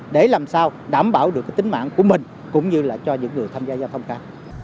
để làm sao đảm bảo được tính mạng của mình cũng như là cho những người tham gia giao thông cao